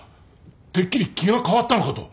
てっきり気が変わったのかと。